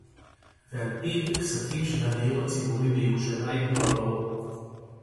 ועל-פיו כספים של הדיור הציבורי בירושלים הועברו